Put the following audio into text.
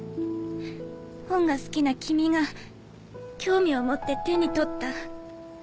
本が好きな君が興味を持って手に取った。